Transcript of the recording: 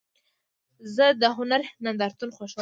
زه د هنر نندارتون خوښوم.